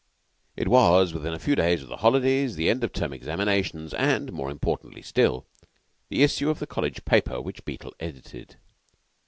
It was within a few days of the holidays, the term end examinations, and, more important still, the issue of the College paper which Beetle edited.